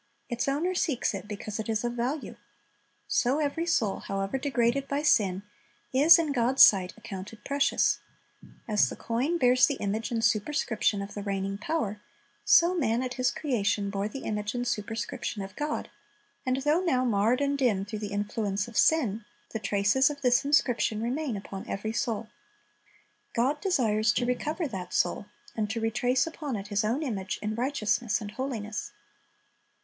Its owner seeks it because it is of value. So every soul, however degraded by sin, is in God's sight accounted precious. As the coin bears the image and superscription of the reigning power, so man at his creation bore the image and superscription of God; and though now marred and dim through the influence of sin, the traces of this inscription remain upon every soul. God desires to recover that soul, and to retrace upon it His own image in righteousness and holiness.